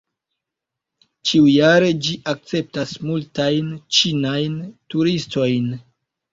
Ĉiujare ĝi akceptas multajn ĉinajn turistojn.